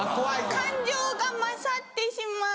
感情が勝ってしまう。